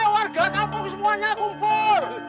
warga kampung semuanya kumpul